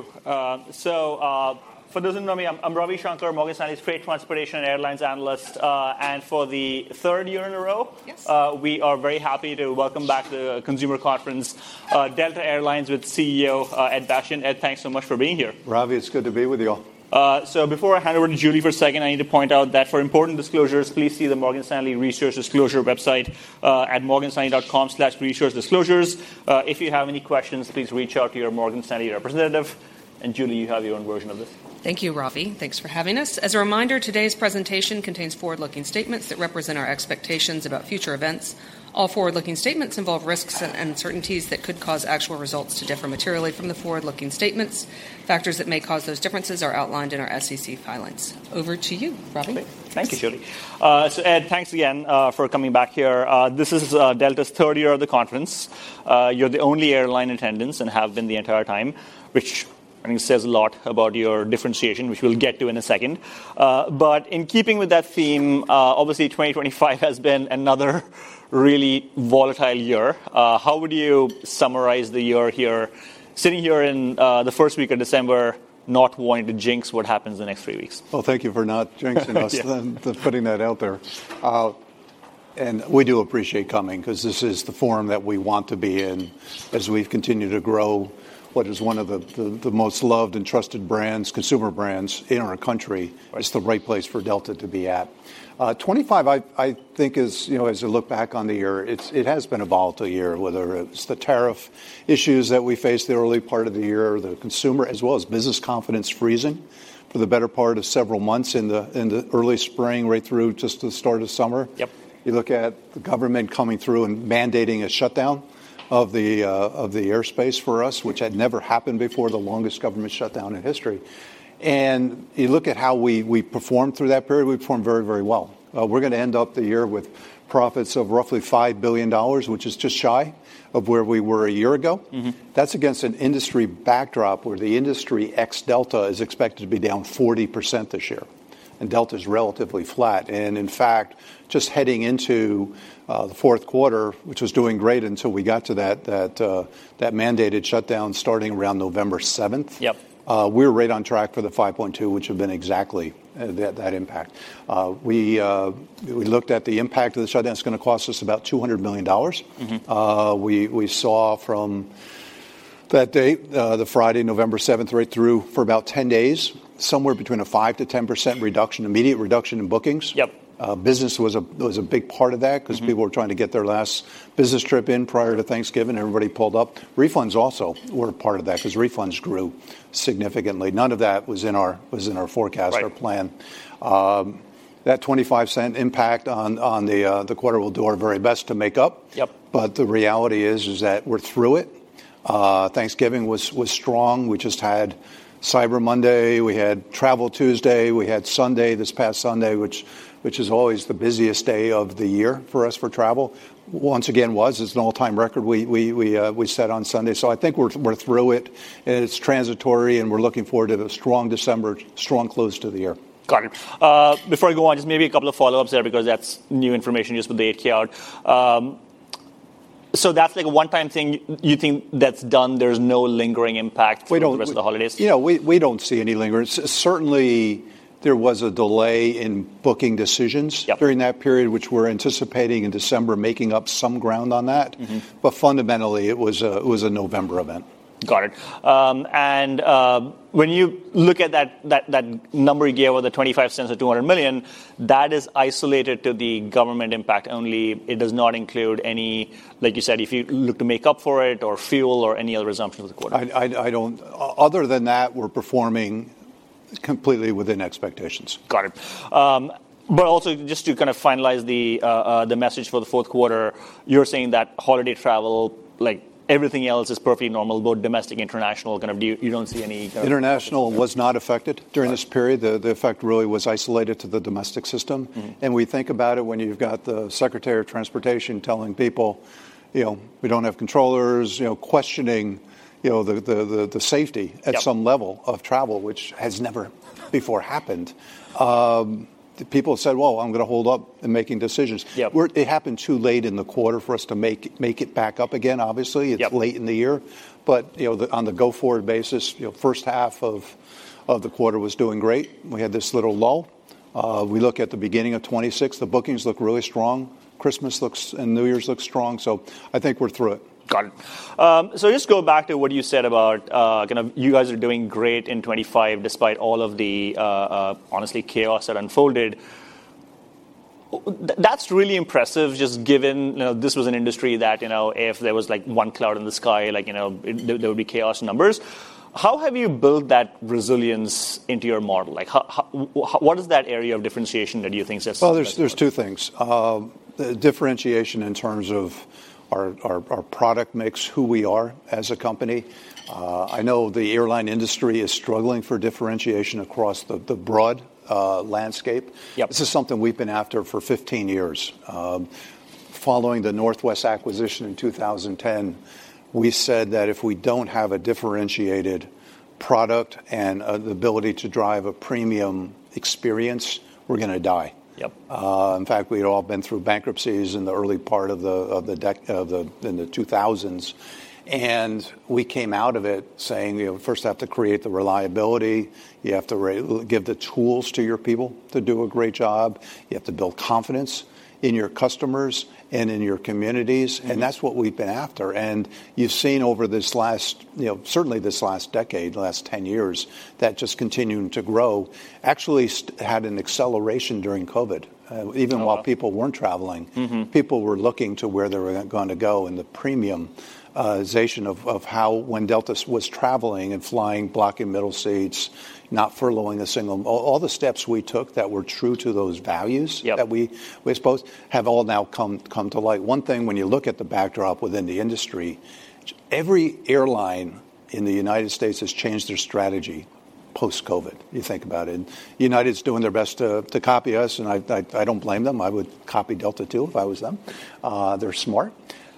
Great. Thank you. So, for those who don't know me, I'm Ravi Shanker, Morgan Stanley's freight transportation and airlines analyst, and for the third year in a row. We are very happy to welcome back to the consumer conference, Delta Air Lines with CEO, Ed Bastian. Ed, thanks so much for being here. Ravi, it's good to be with you all. So before I hand over to Julie for a second, I need to point out that for important disclosures, please see the Morgan Stanley Research Disclosure website, at morganstanley.com/researchdisclosures. If you have any questions, please reach out to your Morgan Stanley representative. And Julie, you have your own version of this. Thank you, Ravi. Thanks for having us. As a reminder, today's presentation contains forward-looking statements that represent our expectations about future events. All forward-looking statements involve risks and uncertainties that could cause actual results to differ materially from the forward-looking statements. Factors that may cause those differences are outlined in our SEC filings. Over to you, Ravi. Perfect. Thank you, Julie. So Ed, thanks again for coming back here. This is Delta's third year at the conference. You're the only airline attendee and have been the entire time, which I think says a lot about your differentiation, which we'll get to in a second. But in keeping with that theme, obviously 2025 has been another really volatile year. How would you summarize the year here, sitting here in the first week of December, not wanting to jinx what happens in the next three weeks? Thank you for not jinxing us, then, for putting that out there. We do appreciate coming 'cause this is the forum that we want to be in as we've continued to grow what is one of the most loved and trusted brands, consumer brands in our country. Right. It's the right place for Delta to be at. 2025, I think is, you know, as I look back on the year, it has been a volatile year, whether it's the tariff issues that we faced the early part of the year, the consumer, as well as business confidence freezing for the better part of several months in the early spring, right through just the start of summer. Yep. You look at the government coming through and mandating a shutdown of the airspace for us, which had never happened before, the longest government shutdown in history, and you look at how we performed through that period. We performed very, very well. We're gonna end up the year with profits of roughly $5 billion, which is just shy of where we were a year ago. Mm-hmm. That's against an industry backdrop where the industry ex-Delta is expected to be down 40% this year, and Delta's relatively flat. In fact, just heading into the fourth quarter, which was doing great until we got to that mandated shutdown starting around November 7th. Yep. We were right on track for the 5.2, which would have been exactly that impact. We looked at the impact of the shutdown. It's gonna cost us about $200 million. Mm-hmm. We saw from that date, the Friday, November 7th, right through for about 10 days, somewhere between a 5%-10% reduction, immediate reduction in bookings. Yep. Business was a big part of that 'cause people were trying to get their last business trip in prior to Thanksgiving. Everybody pulled up. Refunds also were a part of that 'cause refunds grew significantly. None of that was in our forecast or plan. Right. that $0.25 impact on the quarter, we'll do our very best to make up. Yep. But the reality is that we're through it. Thanksgiving was strong. We just had Cyber Monday. We had Travel Tuesday. We had Sunday this past Sunday, which is always the busiest day of the year for us for travel. Once again, it's an all-time record. We set on Sunday. So I think we're through it, and it's transitory, and we're looking forward to a strong December, strong close to the year. Got it. Before I go on, just maybe a couple of follow-ups there because that's new information just with the 8-K. So that's like a one-time thing you think that's done. There's no lingering impact for the rest of the holidays? We don't, you know, we don't see any lingering. Certainly, there was a delay in booking decisions. Yep. During that period, which we're anticipating in December, making up some ground on that. Mm-hmm. But fundamentally, it was a November event. Got it, and when you look at that number you gave of the $0.25 or $200 million, that is isolated to the government impact only. It does not include any, like you said, if you look to make up for it or fuel or any other resumption of the quarter. I don't. Other than that, we're performing completely within expectations. Got it. But also just to kind of finalize the message for the fourth quarter, you're saying that holiday travel, like everything else, is perfectly normal, both domestic and international. Kind of do you don't see any kind of. International was not affected during this period. The effect really was isolated to the domestic system. Mm-hmm. We think about it when you've got the Secretary of Transportation telling people, you know, we don't have controllers, you know, questioning, you know, the safety at some level of travel, which has never before happened. People said, well, I'm gonna hold up in making decisions. Yep. It happened too late in the quarter for us to make it back up again. Obviously, it's late in the year. Yep. But, you know, on the go-forward basis, you know, first half of the quarter was doing great. We had this little lull. We look at the beginning of 2026, the bookings look really strong. Christmas looks and New Year's looks strong. So I think we're through it. Got it. So just go back to what you said about, kind of you guys are doing great in 2025 despite all of the, honestly, chaos that unfolded. That's really impressive just given, you know, this was an industry that, you know, if there was like one cloud in the sky, like, you know, there would be chaos numbers. How have you built that resilience into your model? Like how, what is that area of differentiation that you think sets the bar? There's two things. The differentiation in terms of our product makes who we are as a company. I know the airline industry is struggling for differentiation across the broad landscape. Yep. This is something we've been after for 15 years. Following the Northwest acquisition in 2010, we said that if we don't have a differentiated product and the ability to drive a premium experience, we're gonna die. Yep. In fact, we'd all been through bankruptcies in the early part of the decade in the 2000s. And we came out of it saying, you know, first, you have to create the reliability. You have to give the tools to your people to do a great job. You have to build confidence in your customers and in your communities. And that's what we've been after. And you've seen over this last, you know, certainly this last decade, last 10 years, that just continuing to grow actually had an acceleration during COVID, even while people weren't traveling. Mm-hmm. People were looking to where they were gonna go and the premiumization of how, when Delta was traveling and flying, blocking middle seats, not furloughing a single, all the steps we took that were true to those values. Yep. That we suppose have all now come to light. One thing, when you look at the backdrop within the industry, every airline in the United States has changed their strategy post-COVID, you think about it. And United's doing their best to copy us. And I don't blame them. I would copy Delta too if I was them. They're smart.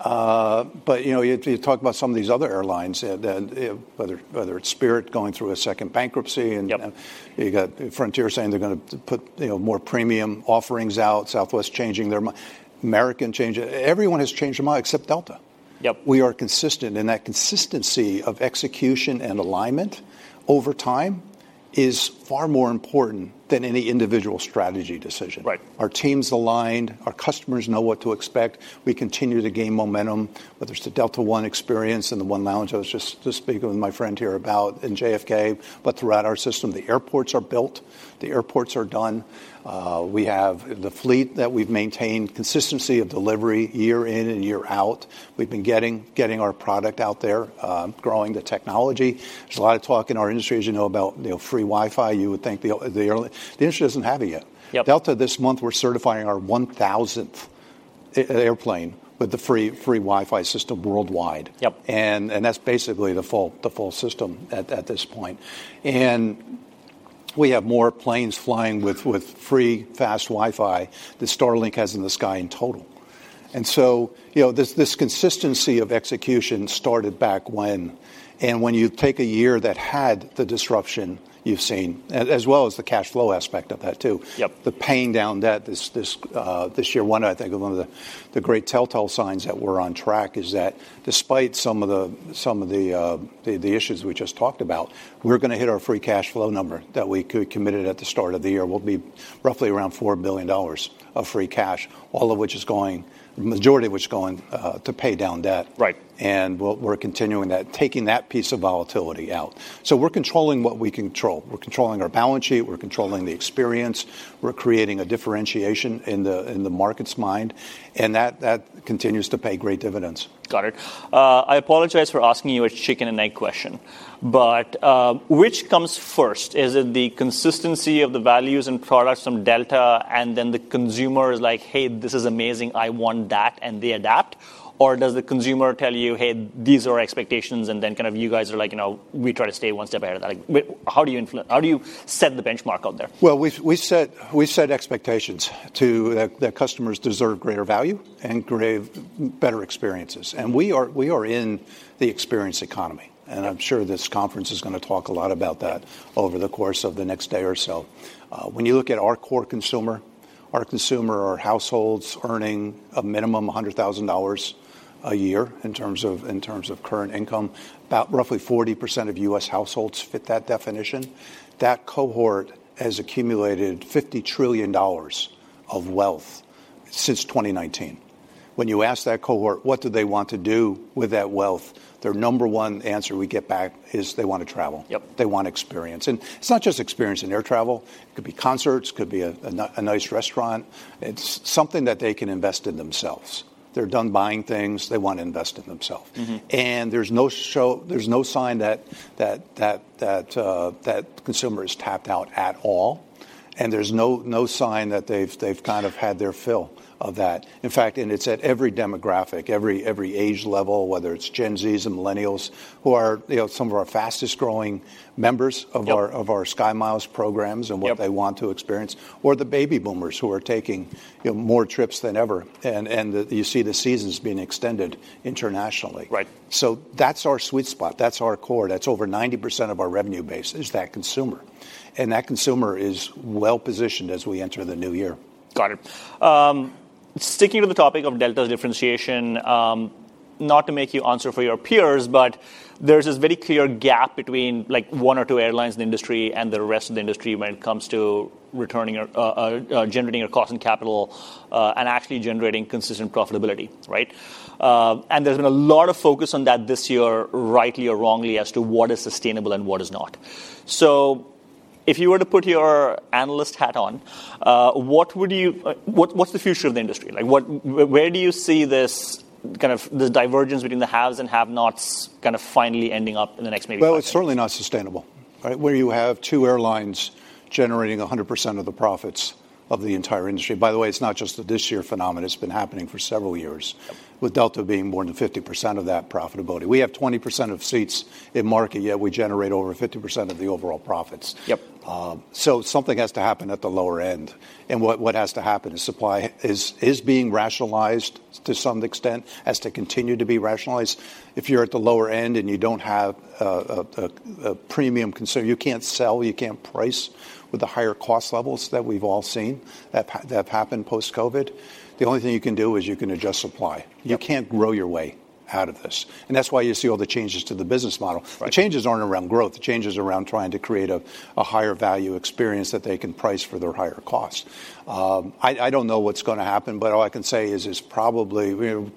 But you know, if you talk about some of these other airlines, you know, whether it's Spirit going through a second bankruptcy and. Yep. You got Frontier saying they're gonna put, you know, more premium offerings out, Southwest changing their mind, American changing, everyone has changed their mind except Delta. Yep. We are consistent and that consistency of execution and alignment over time is far more important than any individual strategy decision. Right. Our team's aligned. Our customers know what to expect. We continue to gain momentum, whether it's the Delta One experience and the One Lounge. I was just speaking with my friend here about in JFK, but throughout our system, the airports are built, the airports are done. We have the fleet that we've maintained, consistency of delivery year in and year out. We've been getting our product out there, growing the technology. There's a lot of talk in our industry, as you know, about, you know, free Wi-Fi. You would think the airline, the industry doesn't have it yet. Yep. Delta, this month, we're certifying our 1,000th airplane with the free, free Wi-Fi system worldwide. Yep. That's basically the full system at this point. We have more planes flying with free, fast Wi-Fi than Starlink has in the sky in total. So, you know, this consistency of execution started back when. When you take a year that had the disruption you've seen, as well as the cash flow aspect of that too. Yep. The paying down debt this year, I think one of the great telltale signs that we're on track is that despite some of the issues we just talked about, we're gonna hit our free cash flow number that we committed at the start of the year. We'll be roughly around $4 billion of free cash, all of which is going, the majority of which is going, to pay down debt. Right. And we're continuing that, taking that piece of volatility out. So we're controlling what we control. We're controlling our balance sheet. We're controlling the experience. We're creating a differentiation in the market's mind. And that continues to pay great dividends. Got it. I apologize for asking you a chicken-and-egg question, but, which comes first? Is it the consistency of the values and products from Delta and then the consumer is like, "Hey, this is amazing. I want that," and they adapt? Or does the consumer tell you, "Hey, these are our expectations," and then kind of you guys are like, you know, we try to stay one step ahead of that? Like, how do you influence, how do you set the benchmark out there? We set expectations that customers deserve greater value and greater better experiences. We are in the experience economy. I'm sure this conference is gonna talk a lot about that over the course of the next day or so. When you look at our core consumer, our households earning a minimum $100,000 a year in terms of current income, about roughly 40% of U.S. households fit that definition. That cohort has accumulated $50 trillion of wealth since 2019. When you ask that cohort what they want to do with that wealth? Their number one answer we get back is they wanna travel. Yep. They wanna experience, and it's not just experience in air travel. It could be concerts, could be a nice restaurant. It's something that they can invest in themselves. They're done buying things. They wanna invest in themselves. Mm-hmm. And there's no slowdown. There's no sign that the consumer is tapped out at all. And there's no sign that they've kind of had their fill of that. In fact, it's at every demographic, every age level, whether it's Gen Zs and Millennials who are, you know, some of our fastest growing members of our SkyMiles programs and what they want to experience, or the baby boomers who are taking, you know, more trips than ever. And you see the seasons being extended internationally. Right. So that's our sweet spot. That's our core. That's over 90% of our revenue base is that consumer. And that consumer is well positioned as we enter the new year. Got it. Sticking to the topic of Delta's differentiation, not to make you answer for your peers, but there's this very clear gap between like one or two airlines in the industry and the rest of the industry when it comes to returning or generating your cost and capital, and actually generating consistent profitability, right, and there's been a lot of focus on that this year, rightly or wrongly, as to what is sustainable and what is not. So if you were to put your analyst hat on, what would you, what's the future of the industry? Like what, where do you see this kind of divergence between the haves and have-nots kind of finally ending up in the next maybe five years? It's certainly not sustainable, right? Where you have two airlines generating 100% of the profits of the entire industry. By the way, it's not just a this year phenomenon. It's been happening for several years. Yep. With Delta being more than 50% of that profitability. We have 20% of seats in market yet. We generate over 50% of the overall profits. Yep. So something has to happen at the lower end. And what has to happen is supply is being rationalized to some extent, has to continue to be rationalized. If you're at the lower end and you don't have a premium consumer, you can't sell, you can't price with the higher cost levels that we've all seen that have happened post-COVID. The only thing you can do is you can adjust supply. Yep. You can't grow your way out of this. And that's why you see all the changes to the business model. Right. The changes aren't around growth. The change is around trying to create a higher value experience that they can price for their higher cost. I don't know what's gonna happen, but all I can say is probably, you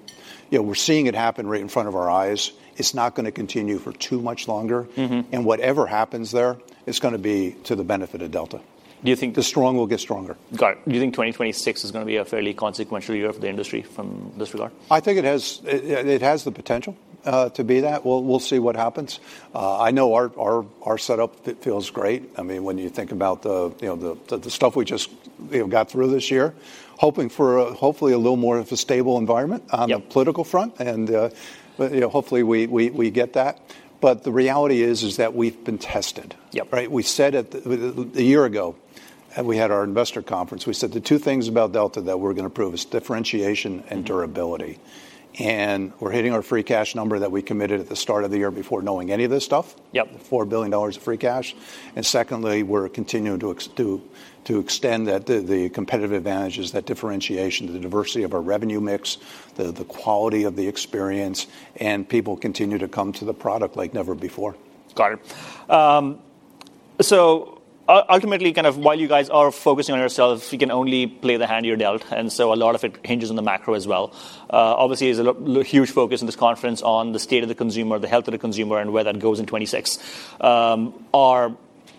know, we're seeing it happen right in front of our eyes. It's not gonna continue for too much longer. Mm-hmm. Whatever happens there is gonna be to the benefit of Delta. Do you think? The strong will get stronger. Got it. Do you think 2026 is gonna be a fairly consequential year for the industry from this regard? I think it has the potential to be that. We'll see what happens. I know our setup feels great. I mean, when you think about the stuff we just got through this year, you know, hoping for hopefully a little more of a stable environment on the political front. Yep. You know, hopefully we get that. But the reality is that we've been tested. Yep. Right? We said a year ago and we had our investor conference, we said the two things about Delta that we're gonna prove is differentiation and durability. And we're hitting our free cash number that we committed at the start of the year before knowing any of this stuff. Yep. $4 billion of free cash. And secondly, we're continuing to extend that, the competitive advantages, that differentiation, the diversity of our revenue mix, the quality of the experience, and people continue to come to the product like never before. Got it. So ultimately, kind of while you guys are focusing on yourselves, you can only play the hand you're dealt. And so a lot of it hinges on the macro as well. Obviously, there's a huge focus in this conference on the state of the consumer, the health of the consumer, and where that goes in 2026. Our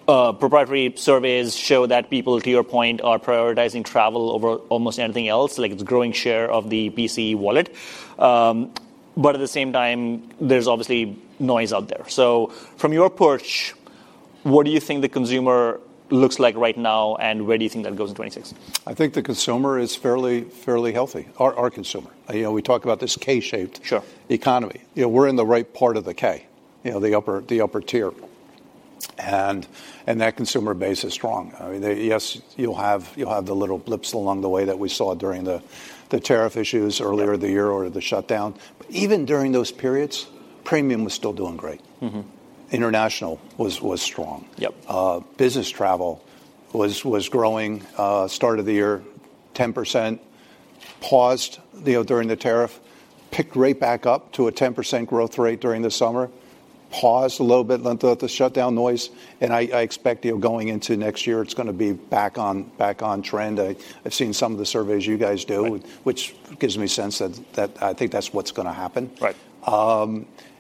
proprietary surveys show that people, to your point, are prioritizing travel over almost anything else. Like it's a growing share of the PC wallet. But at the same time, there's obviously noise out there. So from your perch, what do you think the consumer looks like right now and where do you think that goes in 2026? I think the consumer is fairly, fairly healthy. Our consumer, you know, we talk about this K-shaped. Sure. Economy. You know, we're in the right part of the K, you know, the upper tier. And that consumer base is strong. I mean, yes, you'll have the little blips along the way that we saw during the tariff issues earlier in the year or the shutdown. But even during those periods, premium was still doing great. Mm-hmm. International was strong. Yep. Business travel was growing start of the year, 10%, paused, you know, during the tariff, picked right back up to a 10% growth rate during the summer, paused a little bit at the shutdown noise. I expect, you know, going into next year, it's gonna be back on trend. I've seen some of the surveys you guys do, which gives me sense that I think that's what's gonna happen. Right.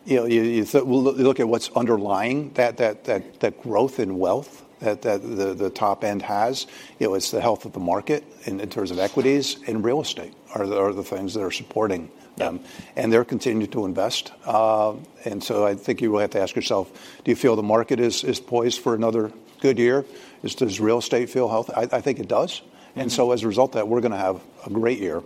You know, you thought, well, look at what's underlying that growth in wealth that the top end has, you know, it's the health of the market in terms of equities and real estate are the things that are supporting them. Yep. They're continuing to invest. So I think you will have to ask yourself, do you feel the market is poised for another good year? Does real estate feel healthy? I think it does. Mm-hmm. And so as a result of that, we're gonna have a great year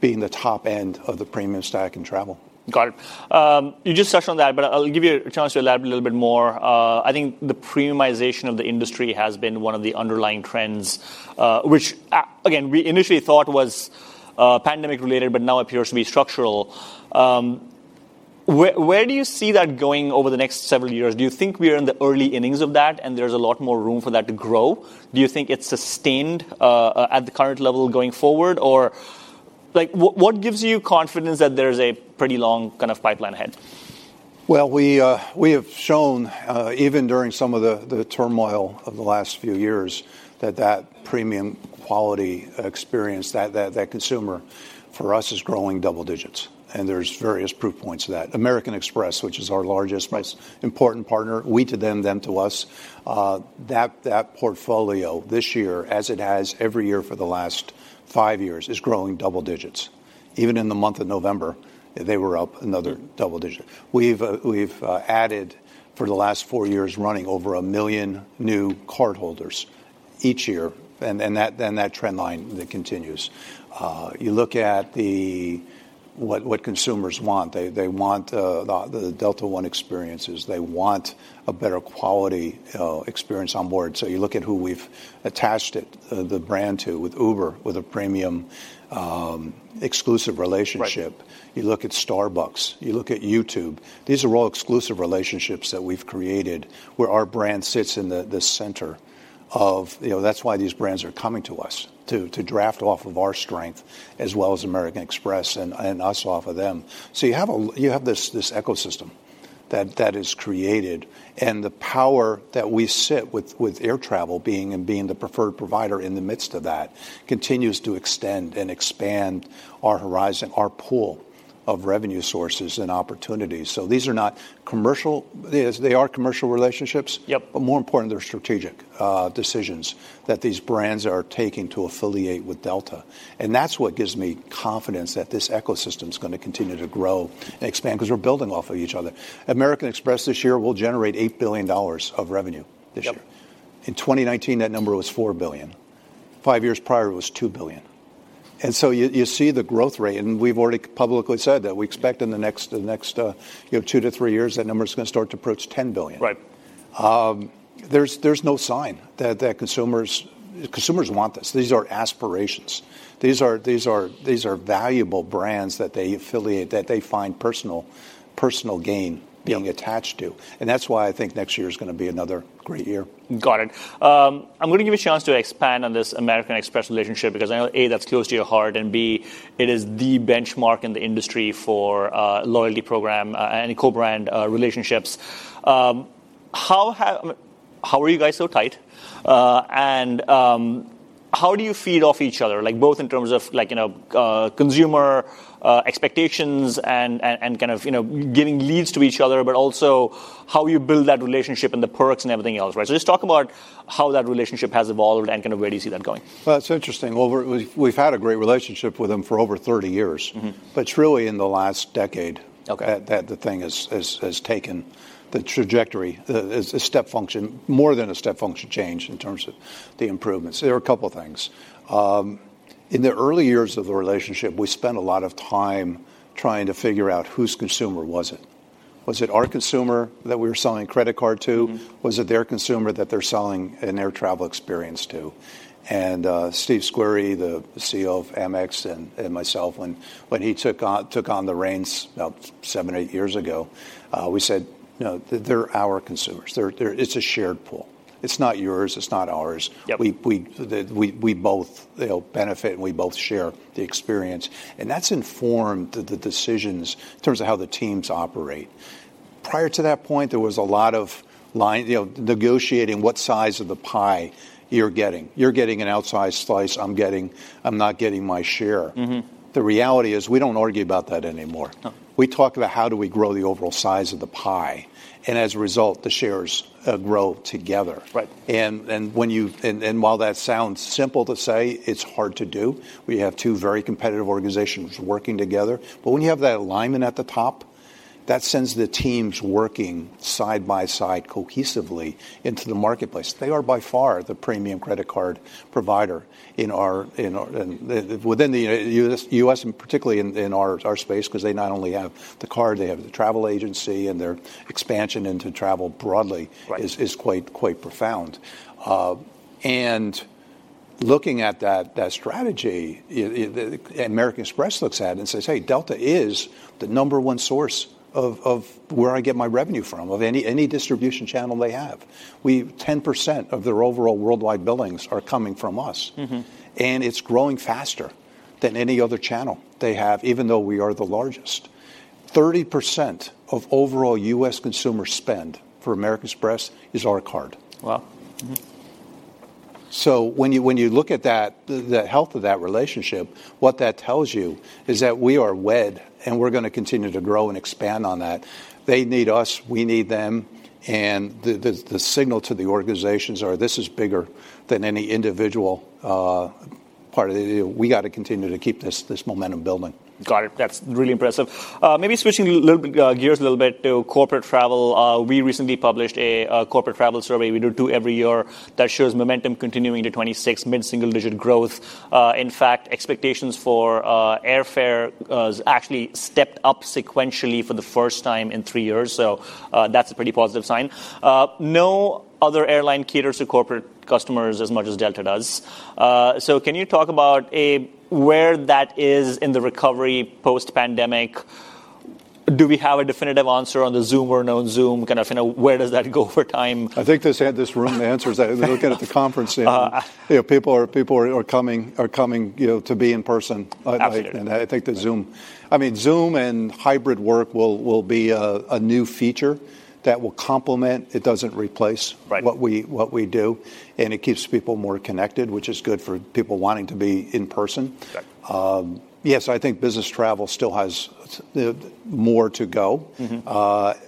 being the top end of the premium stack in travel. Got it. You just touched on that, but I'll give you a chance to elaborate a little bit more. I think the premiumization of the industry has been one of the underlying trends, which, again, we initially thought was, pandemic related, but now appears to be structural. Where, where do you see that going over the next several years? Do you think we are in the early innings of that and there's a lot more room for that to grow? Do you think it's sustained, at the current level going forward? Or like, what, what gives you confidence that there's a pretty long kind of pipeline ahead? Well, we have shown, even during some of the turmoil of the last few years, that premium quality experience, that consumer for us is growing double digits. And there's various proof points of that. American Express, which is our largest, most important partner, we to them, them to us, that portfolio this year, as it has every year for the last five years, is growing double digits. Even in the month of November, they were up another double digit. We've added for the last four years running over a million new cardholders each year. And that trend line continues. You look at what consumers want. They want the Delta One experiences. They want a better quality experience on board. So you look at who we've attached it, the brand, to with Uber, with a premium, exclusive relationship. Right. You look at Starbucks. You look at YouTube. These are all exclusive relationships that we've created where our brand sits in the center of, you know, that's why these brands are coming to us to draft off of our strength as well as American Express and us off of them, so you have this ecosystem that is created, and the power that we sit with air travel being the preferred provider in the midst of that continues to extend and expand our horizon, our pool of revenue sources and opportunities, so these are not commercial. They are commercial relationships. Yep. But more important, they're strategic decisions that these brands are taking to affiliate with Delta. And that's what gives me confidence that this ecosystem's gonna continue to grow and expand 'cause we're building off of each other. American Express this year will generate $8 billion of revenue this year. Yep. In 2019, that number was $4 billion. Five years prior, it was $2 billion. And so you see the growth rate. And we've already publicly said that we expect in the next, you know, two to three years, that number's gonna start to approach $10 billion. Right. There's no sign that consumers want this. These are aspirations. These are valuable brands that they affiliate, that they find personal gain being attached to. And that's why I think next year's gonna be another great year. Got it. I'm gonna give you a chance to expand on this American Express relationship because I know, A, that's close to your heart and B, it is the benchmark in the industry for loyalty program and co-brand relationships. How are you guys so tight? And how do you feed off each other? Like both in terms of like, you know, consumer expectations and kind of, you know, giving leads to each other, but also how you build that relationship and the perks and everything else, right? So just talk about how that relationship has evolved and kind of where do you see that going? It's interesting. We've had a great relationship with them for over 30 years. Mm-hmm. But it's really in the last decade. Okay. That the thing has taken the trajectory, a step function, more than a step function change in terms of the improvements. There are a couple of things. In the early years of the relationship, we spent a lot of time trying to figure out whose consumer was it. Was it our consumer that we were selling credit card to? Mm-hmm. Was it their consumer that they're selling an air travel experience to? And Stephen Squeri, the CEO of Amex, and myself, when he took on the reins about seven, eight years ago, we said, no, they're our consumers. They're, it's a shared pool. It's not yours. It's not ours. Yep. We both, you know, benefit and we both share the experience, and that's informed the decisions in terms of how the teams operate. Prior to that point, there was a lot of line, you know, negotiating what size of the pie you're getting. You're getting an outsized slice. I'm not getting my share. Mm-hmm. The reality is we don't argue about that anymore. No. We talk about how do we grow the overall size of the pie, and as a result, the shares grow together. Right. While that sounds simple to say, it's hard to do. We have two very competitive organizations working together. But when you have that alignment at the top, that sends the teams working side by side cohesively into the marketplace. They are by far the premium credit card provider in our space, you know, in the U.S., and particularly in our space, 'cause they not only have the card, they have the travel agency and their expansion into travel broadly. Right. Is quite profound. Looking at that strategy, the American Express looks at it and says, hey, Delta is the number one source of where I get my revenue from of any distribution channel they have. We, 10% of their overall worldwide billings are coming from us. Mm-hmm. It's growing faster than any other channel they have, even though we are the largest. 30% of overall U.S. consumer spend for American Express is our card. Wow. Mm-hmm. So when you look at that, the health of that relationship, what that tells you is that we are wed and we're gonna continue to grow and expand on that. They need us, we need them. And the signal to the organizations are, this is bigger than any individual, part of the, you know, we gotta continue to keep this momentum building. Got it. That's really impressive. Maybe switching a little bit gears a little bit to corporate travel. We recently published a corporate travel survey. We do two every year that shows momentum continuing to 2026, mid-single digit growth. In fact, expectations for airfare actually stepped up sequentially for the first time in three years. So, that's a pretty positive sign. No other airline caters to corporate customers as much as Delta does. So can you talk about A, where that is in the recovery post-pandemic? Do we have a definitive answer on the Zoom or no Zoom kind of, you know, where does that go over time? I think we have this room of analysts that are looking at the conference now. Uh-huh. You know, people are coming, you know, to be in person. Absolutely. I think the Zoom, I mean, Zoom and hybrid work will be a new feature that will complement. It doesn't replace. Right. What we do, and it keeps people more connected, which is good for people wanting to be in person. Exactly. Yes, I think business travel still has more to go. Mm-hmm.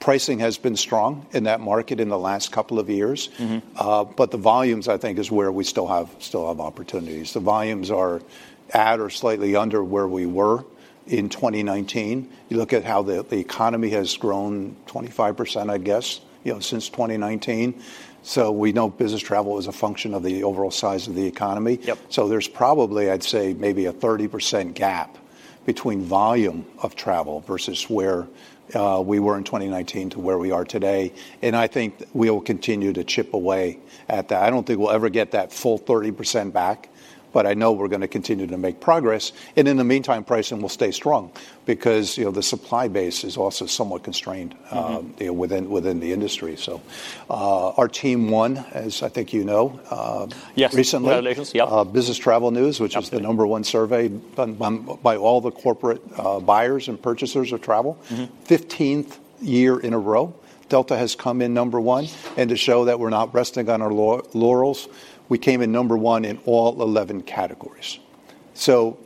Pricing has been strong in that market in the last couple of years. Mm-hmm. But the volumes, I think, is where we still have opportunities. The volumes are at or slightly under where we were in 2019. You look at how the economy has grown 25%, I guess, you know, since 2019. So we know business travel is a function of the overall size of the economy. Yep. So there's probably, I'd say maybe a 30% gap between volume of travel versus where we were in 2019 to where we are today. And I think we'll continue to chip away at that. I don't think we'll ever get that full 30% back, but I know we're gonna continue to make progress. And in the meantime, pricing will stay strong because, you know, the supply base is also somewhat constrained. Uh-huh. You know, within the industry. So, our team won, as I think you know, Yes. Recently. Relations, yep. Business Travel News, which is the number one survey by all the corporate buyers and purchasers of travel. Mm-hmm. 15th year in a row, Delta has come in number one, and to show that we're not resting on our laurels, we came in number one in all 11 categories, so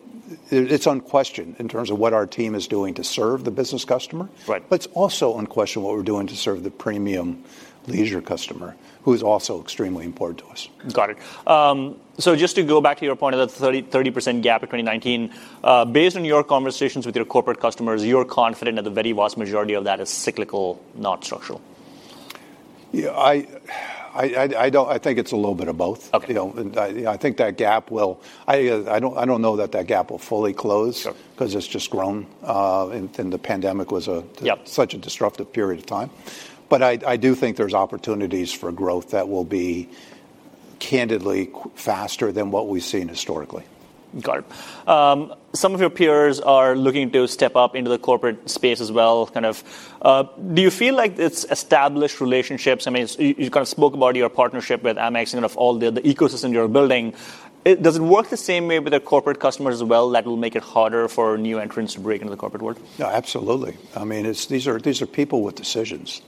it's unquestioned in terms of what our team is doing to serve the business customer. Right. But it's also unquestioned what we're doing to serve the premium leisure customer, who is also extremely important to us. Got it, so just to go back to your point of that 30% gap in 2019, based on your conversations with your corporate customers, you're confident that the very vast majority of that is cyclical, not structural. Yeah. I don't, I think it's a little bit of both. Okay. You know, I think that gap will. I don't know that gap will fully close. Sure. 'Cause it's just grown, and the pandemic was a. Yep. Such a disruptive period of time. But I do think there's opportunities for growth that will be candidly faster than what we've seen historically. Got it. Some of your peers are looking to step up into the corporate space as well, kind of. Do you feel like it's established relationships? I mean, you kind of spoke about your partnership with Amex and kind of all the ecosystem you're building. Does it work the same way with their corporate customers as well that will make it harder for new entrants to break into the corporate world? No, absolutely. I mean, these are people with decisions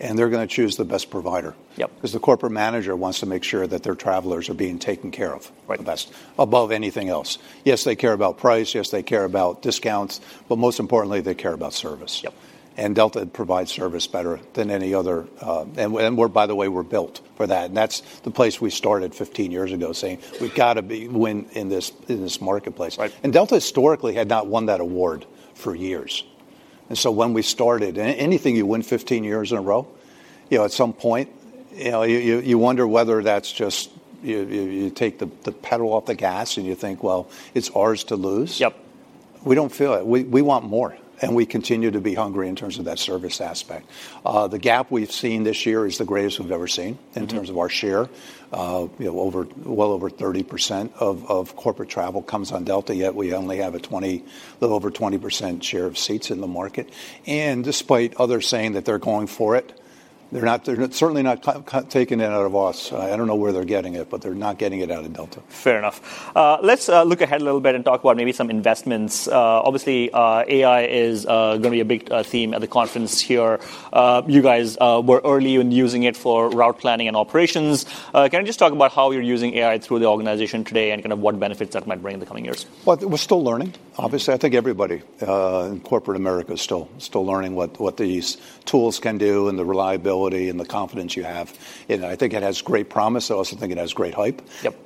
and they're gonna choose the best provider. Yep. 'Cause the corporate manager wants to make sure that their travelers are being taken care of. Right. The best, above anything else. Yes, they care about price. Yes, they care about discounts. But most importantly, they care about service. Yep. Delta provides service better than any other, and we're, by the way, built for that. That's the place we started 15 years ago saying we've gotta win in this marketplace. Right. And Delta historically had not won that award for years. And so when we started, and anything you win 15 years in a row, you know, at some point, you know, you wonder whether that's just you take the pedal off the gas and you think, well, it's ours to lose. Yep. We don't feel it. We want more and we continue to be hungry in terms of that service aspect. The gap we've seen this year is the greatest we've ever seen in terms of our share. You know, over, well over 30% of corporate travel comes on Delta. Yet we only have a little over 20% share of seats in the market, and despite others saying that they're going for it, they're not, they're certainly not coming taking it out of us. I don't know where they're getting it, but they're not getting it out of Delta. Fair enough. Let's look ahead a little bit and talk about maybe some investments. Obviously, AI is gonna be a big theme at the conference here. You guys were early in using it for route planning and operations. Can you just talk about how you're using AI through the organization today and kind of what benefits that might bring in the coming years? We're still learning, obviously. I think everybody in corporate America is still learning what these tools can do and the reliability and the confidence you have. I think it has great promise. I also think it has great hype. Yep.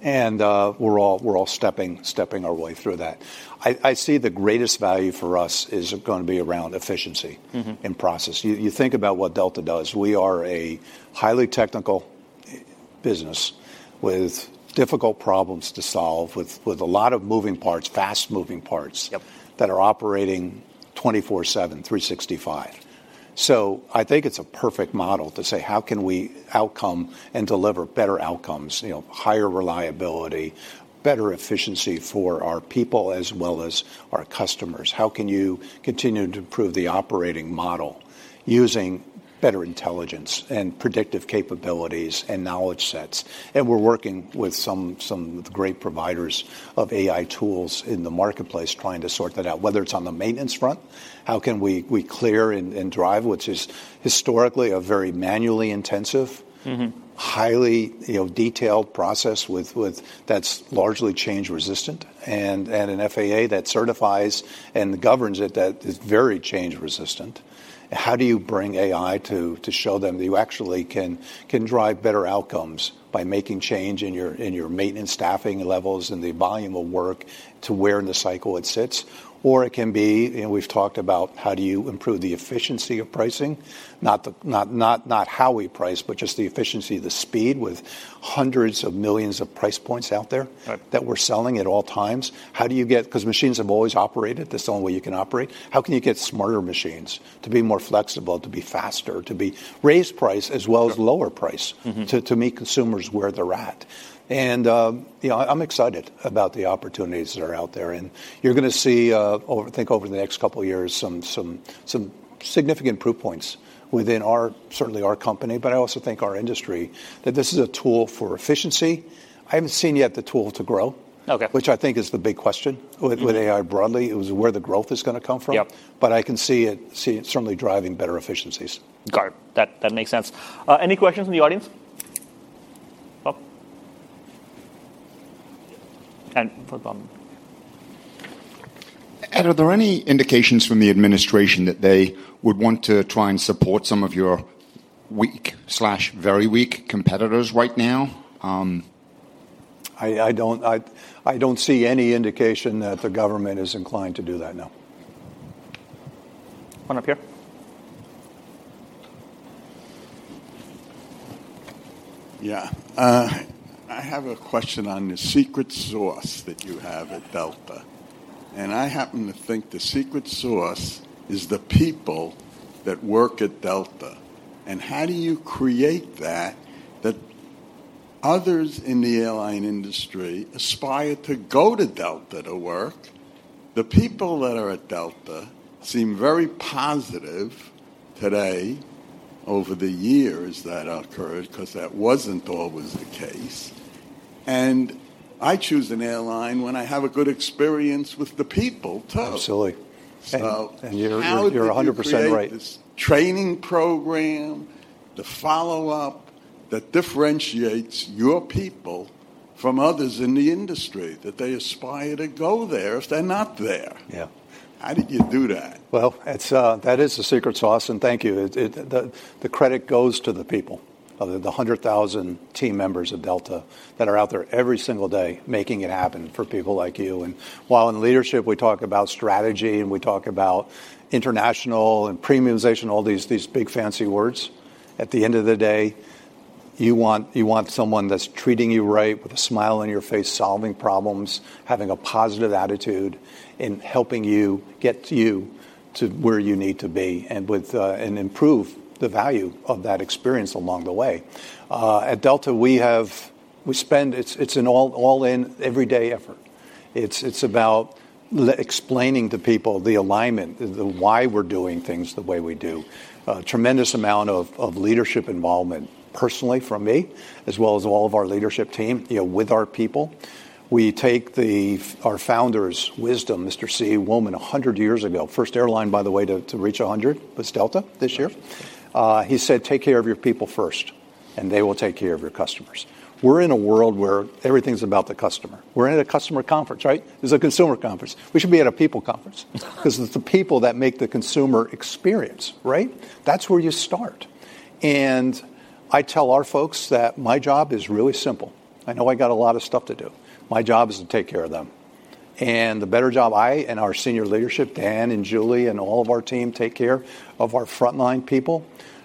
We're all stepping our way through that. I see the greatest value for us is gonna be around efficiency. Mm-hmm. In process. You think about what Delta does. We are a highly technical business with difficult problems to solve, with a lot of moving parts, fast moving parts. Yep. That are operating 24/7, 365. So I think it's a perfect model to say, how can we outcome and deliver better outcomes, you know, higher reliability, better efficiency for our people as well as our customers? How can you continue to improve the operating model using better intelligence and predictive capabilities and knowledge sets? And we're working with some great providers of AI tools in the marketplace trying to sort that out, whether it's on the maintenance front, how can we clear and drive, which is historically a very manually intensive. Mm-hmm. Highly, you know, detailed process with that's largely change resistant, and an FAA that certifies and governs it that is very change resistant. How do you bring AI to show them that you actually can drive better outcomes by making change in your maintenance staffing levels and the volume of work to where in the cycle it sits? Or it can be, you know, we've talked about how do you improve the efficiency of pricing, not how we price, but just the efficiency, the speed with hundreds of millions of price points out there. Right. That we're selling at all times. How do you get, 'cause machines have always operated, that's the only way you can operate. How can you get smarter machines to be more flexible, to be faster, to be raise price as well as lower price. Mm-hmm. To meet consumers where they're at. And, you know, I'm excited about the opportunities that are out there. And you're gonna see, I think over the next couple of years, some significant proof points within our, certainly our company, but I also think our industry that this is a tool for efficiency. I haven't seen yet the tool to grow. Okay. Which I think is the big question with AI broadly. It was where the growth is gonna come from. Yep. But I can see it certainly driving better efficiencies. Got it. That, that makes sense. Any questions in the audience? Well. And for the bottom. Are there any indications from the administration that they would want to try and support some of your weak, very weak competitors right now? I don't see any indication that the government is inclined to do that. No. One up here. Yeah. I have a question on the secret sauce that you have at Delta, and I happen to think the secret sauce is the people that work at Delta. And how do you create that, that others in the airline industry aspire to go to Delta to work? The people that are at Delta seem very positive today, over the years that occurred 'cause that wasn't always the case, and I choose an airline when I have a good experience with the people too. Absolutely. And you're 100% right. You create this training program, the follow-up that differentiates your people from others in the industry that they aspire to go there if they're not there. Yeah. How did you do that? Well, that is the secret sauce. And thank you. The credit goes to the people, the 100,000 team members at Delta that are out there every single day making it happen for people like you. And while in leadership we talk about strategy and we talk about international and premiumization, all these big fancy words, at the end of the day, you want someone that's treating you right with a smile on your face, solving problems, having a positive attitude and helping you get to where you need to be and improve the value of that experience along the way. At Delta, it's an all-in everyday effort. It's about explaining to people the alignment, the why we're doing things the way we do. Tremendous amount of leadership involvement personally from me as well as all of our leadership team, you know, with our people. We take the our founder's wisdom, Mr. C.E. Woolman, 100 years ago, first airline, by the way, to reach a hundred was Delta this year. He said, take care of your people first and they will take care of your customers. We're in a world where everything's about the customer. We're in a customer conference, right? It's a consumer conference. We should be at a people conference 'cause it's the people that make the consumer experience, right? That's where you start. And I tell our folks that my job is really simple. I know I got a lot of stuff to do. My job is to take care of them. The better job I and our senior leadership, Dan and Julie and all of our team take care of our frontline people,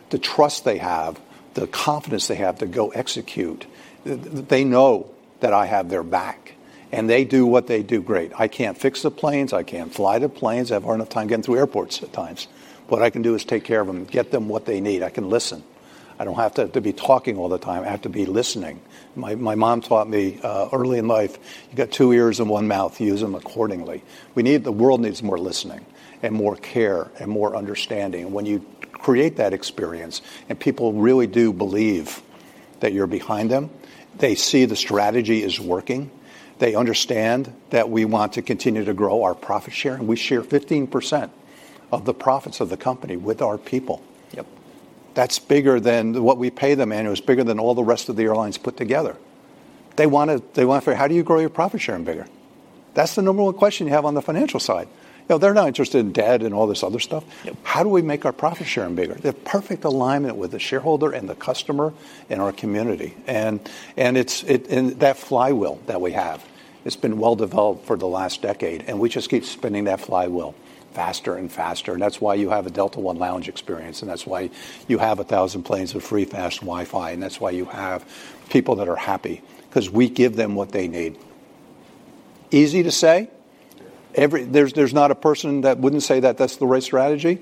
the trust they have, the confidence they have to go execute, they know that I have their back and they do what they do great. I can't fix the planes. I can't fly the planes. I have hard enough time getting through airports at times. What I can do is take care of them, get them what they need. I can listen. I don't have to be talking all the time. I have to be listening. My mom taught me, early in life, you've got two ears and one mouth. Use them accordingly. We need, the world needs more listening and more care and more understanding. And when you create that experience and people really do believe that you're behind them, they see the strategy is working. They understand that we want to continue to grow our profit share. And we share 15% of the profits of the company with our people. Yep. That's bigger than what we pay them annually. It's bigger than all the rest of the airlines put together. They wanna figure out how do you grow your profit share bigger? That's the number one question you have on the financial side. You know, they're not interested in debt and all this other stuff. Yep. How do we make our profit share bigger? The perfect alignment with the shareholder and the customer and our community. And it's that flywheel that we have. It's been well developed for the last decade and we just keep spinning that flywheel faster and faster. And that's why you have a Delta One Lounge experience. And that's why you have a thousand planes of free, fast Wi-Fi. And that's why you have people that are happy 'cause we give them what they need. Easy to say. Every, there's not a person that wouldn't say that that's the right strategy.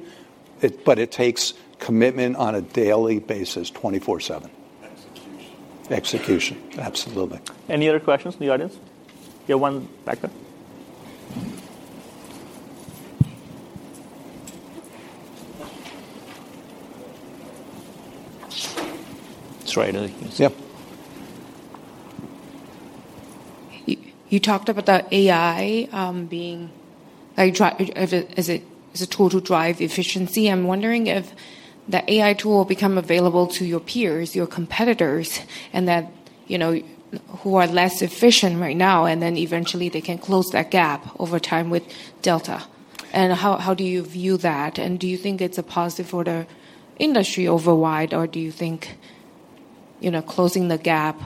But it takes commitment on a daily basis, 24/7. Execution. Execution. Absolutely. Any other questions from the audience? You have one back there. That's right. Yep. You talked about the AI being a driver. Is it a tool to drive efficiency? I'm wondering if the AI tool will become available to your peers, your competitors, and that, you know, who are less efficient right now, and then eventually they can close that gap over time with Delta. And how do you view that? And do you think it's a positive for the industry overall or do you think, you know, closing the gap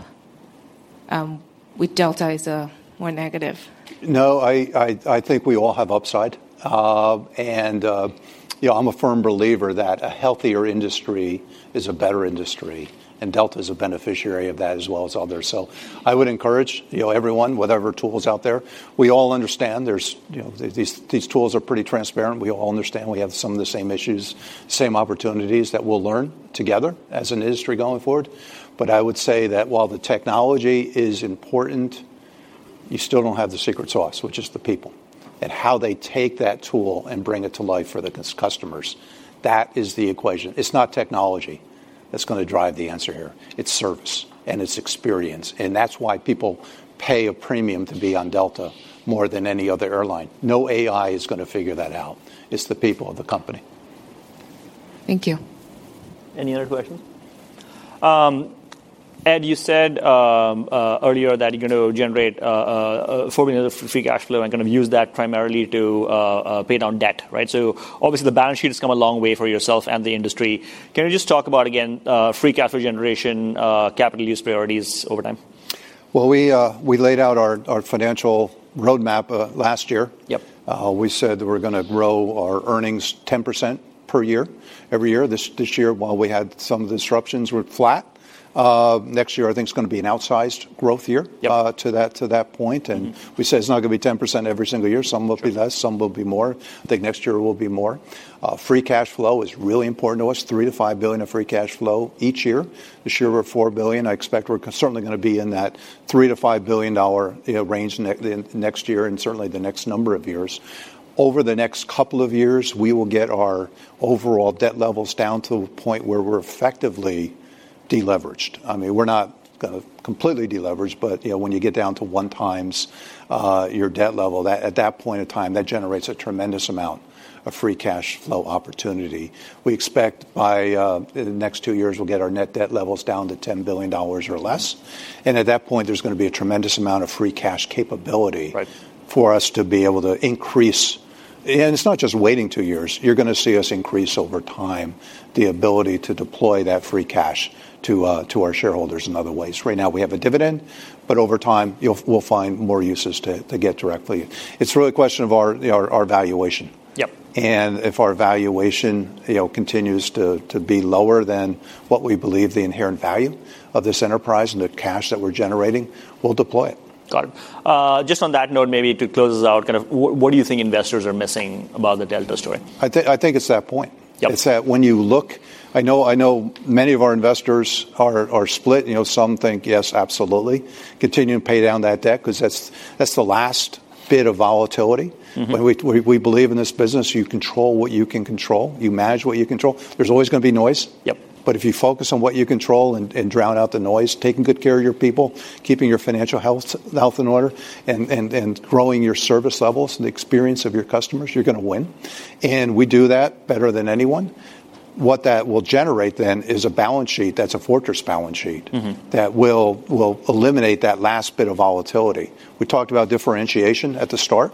with Delta is a more negative? No, I think we all have upside, and you know, I'm a firm believer that a healthier industry is a better industry, and Delta is a beneficiary of that as well as others, so I would encourage, you know, everyone, whatever tools out there. We all understand there's, you know, these tools are pretty transparent. We all understand we have some of the same issues, same opportunities that we'll learn together as an industry going forward, but I would say that while the technology is important, you still don't have the secret sauce, which is the people and how they take that tool and bring it to life for the customers. That is the equation. It's not technology that's gonna drive the answer here. It's service and it's experience, and that's why people pay a premium to be on Delta more than any other airline. No AI is gonna figure that out. It's the people of the company. Thank you. Any other questions? Ed, you said, earlier that you're gonna generate, a $40 million free cash flow and gonna use that primarily to, pay down debt, right? So obviously the balance sheet has come a long way for yourself and the industry. Can you just talk about again, free cash flow generation, capital use priorities over time? We laid out our financial roadmap last year. Yep. We said that we're gonna grow our earnings 10% per year, every year. This, this year, while we had some disruptions, we're flat. Next year, I think it's gonna be an outsized growth year. Yep. To that point. And we said it's not gonna be 10% every single year. Some will be less, some will be more. I think next year it will be more. Free cash flow is really important to us. $3 billion-$5 billion of free cash flow each year. This year we're $4 billion. I expect we're certainly gonna be in that $3 billion-$5 billion, you know, range next year and certainly the next number of years. Over the next couple of years, we will get our overall debt levels down to the point where we're effectively deleveraged. I mean, we're not gonna completely deleverage, but, you know, when you get down to 1x your debt level, that, at that point of time, that generates a tremendous amount of free cash flow opportunity. We expect by the next two years we'll get our net debt levels down to $10 billion or less, and at that point there's gonna be a tremendous amount of free cash capability. Right. For us to be able to increase. And it's not just waiting two years. You're gonna see us increase over time the ability to deploy that free cash to our shareholders in other ways. Right now we have a dividend, but over time you'll, we'll find more uses to get directly. It's really a question of our valuation. Yep. If our valuation, you know, continues to be lower than what we believe the inherent value of this enterprise and the cash that we're generating, we'll deploy it. Got it. Just on that note, maybe to close us out, kind of what, what do you think investors are missing about the Delta story? I think it's that point. Yep. It's that when you look, I know many of our investors are split, you know, some think, yes, absolutely continue to pay down that debt 'cause that's the last bit of volatility. Mm-hmm. When we believe in this business, you control what you can control. You manage what you control. There's always gonna be noise. Yep. But if you focus on what you control and drown out the noise, taking good care of your people, keeping your financial health in order, and growing your service levels, the experience of your customers, you're gonna win. And we do that better than anyone. What that will generate then is a balance sheet that's a Fortress Balance Sheet. Mm-hmm. That will eliminate that last bit of volatility. We talked about differentiation at the start.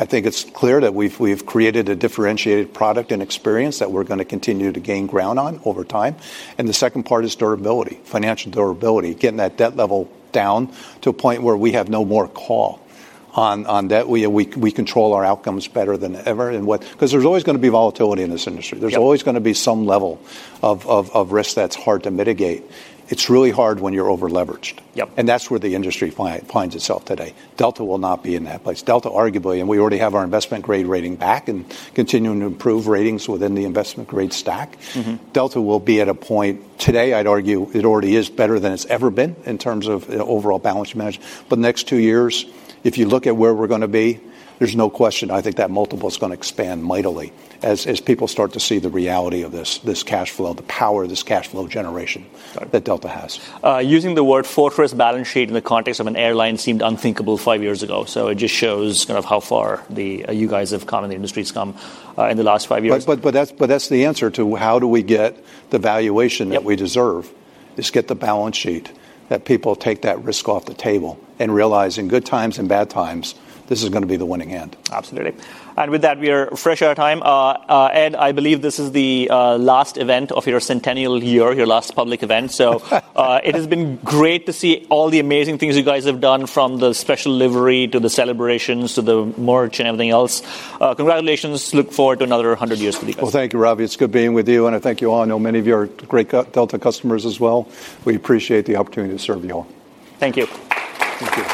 I think it's clear that we've created a differentiated product and experience that we're gonna continue to gain ground on over time. And the second part is durability, financial durability, getting that debt level down to a point where we have no more call on that. We control our outcomes better than ever. And what, 'cause there's always gonna be volatility in this industry. Yep. There's always gonna be some level of risk that's hard to mitigate. It's really hard when you're over-leveraged. Yep. That's where the industry finds itself today. Delta will not be in that place. Delta, arguably, and we already have our investment grade rating back and continue to improve ratings within the investment grade stack. Mm-hmm. Delta will be at a point today. I'd argue it already is better than it's ever been in terms of overall balance management. But next two years, if you look at where we're gonna be, there's no question. I think that multiple's gonna expand mightily as people start to see the reality of this cash flow, the power of this cash flow generation. Got it. That Delta has. Using the word Fortress Balance Sheet in the context of an airline seemed unthinkable five years ago. So it just shows kind of how far the you guys have come in the industry, it's come, in the last five years. But that's the answer to how do we get the valuation that we deserve. Yep. we get the balance sheet that people take that risk off the table and realize in good times and bad times, this is gonna be the winning hand. Absolutely. And with that, we are fresh out of time. Ed, I believe this is the last event of your centennial year, your last public event. So, it has been great to see all the amazing things you guys have done from the special livery to the celebrations to the merch and everything else. Congratulations. Look forward to another 100 years for you guys. Thank you, Ravi. It's good being with you. I thank you all. I know many of you are great Delta customers as well. We appreciate the opportunity to serve you all. Thank you. Thank you.